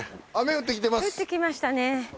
降ってきましたね。